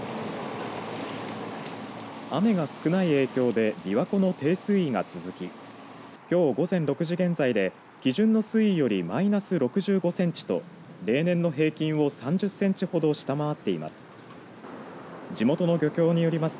雨が少ない影響でびわ湖の低水位が続ききょう午前６時現在で基準の水位よりマイナス６５センチと例年の平均を３０センチほど下回っています。